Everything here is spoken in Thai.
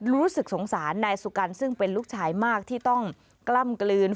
รู้สึกสงสารนายสุกัลซึ่งเป็นลูกชายมากที่ต้องกล้ำกลืน